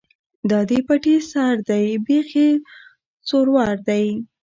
ـ دا دې پټي سر دى ،بېخ يې سورور دى.